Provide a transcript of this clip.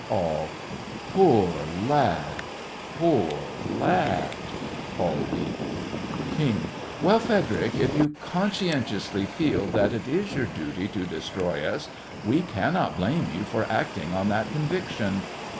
ALL: Poor lad — poor lad! (All weep) KING: Well, Frederic, if you conscientiously feel that it is your duty to destroy us, we cannot blame you for acting on that conviction.